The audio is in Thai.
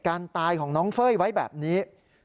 การตายของน้องเฟ้ยไว้แบบนี้